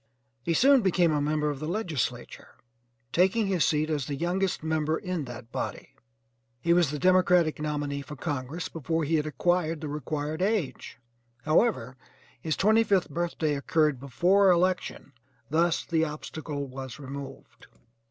He soon became a member of the legislature, taking his seat as the youngest member in that body. He was the Democratic nominee for Congress before he had acquired the required age, however, his twenty fifth birthday occurred before election, thus this obstacle was removed.